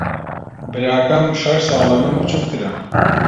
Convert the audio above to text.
براکەم شەش ساڵ لە من بچووکترە.